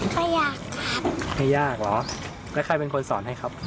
ไม่ยากครับไม่ยากเหรอแล้วใครเป็นคนสอนให้ครับ